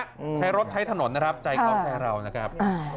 ใช้รถใช้ถนนนะครับใจเขาใจเรานะครับ